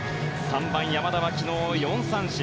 ３番、山田は昨日４三振。